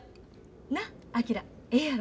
なっ昭ええやろ？